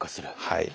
はい。